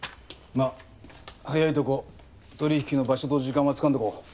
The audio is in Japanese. まっ早いとこ取引の場所と時間はつかんどこう。